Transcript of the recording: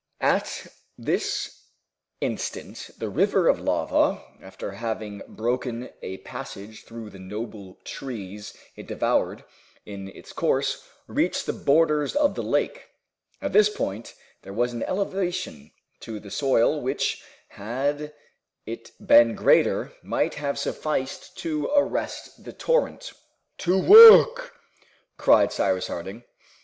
At this instant the river of lava, after having broken a passage through the noble trees it devoured in its course, reached the borders of the lake. At this point there was an elevation of the soil which, had it been greater, might have sufficed to arrest the torrent. "To work!" cried Cyrus Harding.